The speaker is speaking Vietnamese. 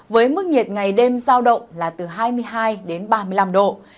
với mức nhiệt ngày đêm giao động là từ hai mươi hai đến ba mươi năm độ